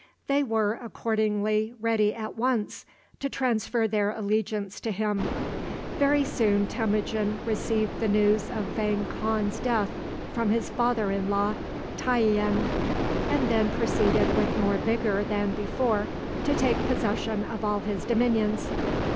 They were accordingly ready at once to transfer their allegiance to him. Very soon Temujin received the news of Vang Khan's death from his father in law Tayian, and then proceeded with more vigor than before to take possession of all his dominions.